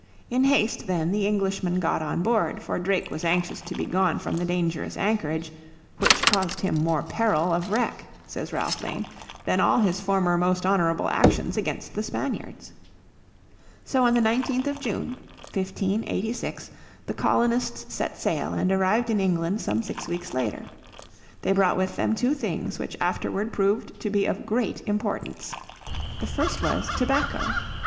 In haste then the Englishmen got on board, for Drake, was anxious to be gone from the dangerous anchorage "which caused him more peril of wreck," says Ralph Lane, "than all his former most honourable actions against the Spaniards." So on the 19th of June 1586, the colonists set sail and arrived in England some six weeks later. They brought with them two things which afterward proved to be of wit great importance. The first was tobacco.